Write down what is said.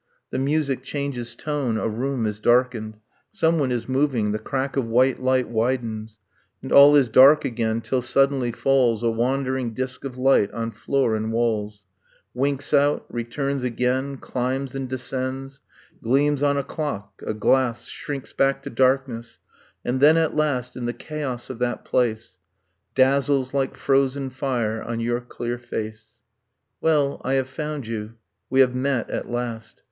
The music changes tone ... a room is darkened, Someone is moving ... the crack of white light widens, And all is dark again; till suddenly falls A wandering disk of light on floor and walls, Winks out, returns again, climbs and descends, Gleams on a clock, a glass, shrinks back to darkness; And then at last, in the chaos of that place, Dazzles like frozen fire on your clear face. Well, I have found you. We have met at last.